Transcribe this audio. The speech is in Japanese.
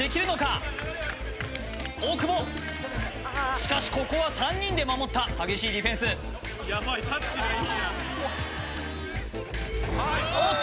しかしここは３人で守った激しいディフェンス・ヤバいタッチがいいなおーっと！